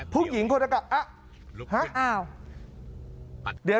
ผู้หญิงคนละกับอ้าว